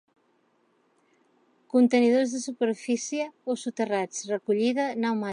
Contenidors de superfície o soterrats, recollida pneumàtica.